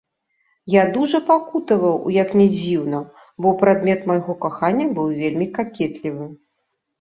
Я дужа пакутаваў, як ні дзіўна, бо прадмет майго кахання быў вельмі какетлівы.